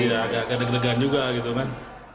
iya agak deg degan juga gitu kan